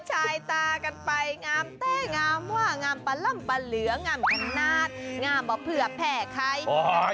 ใช้ตากันไปงามแต้งามงามปะล่ำปะเหลืองงามขนาดงามบ่เพื่อแผ่ใคร